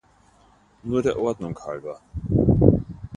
Nur der Ordnung halber.